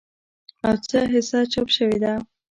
او څه حصه چاپ شوې ده